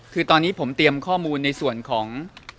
คือตอนนี้ผมเตรียมข้อมูลในส่วนของ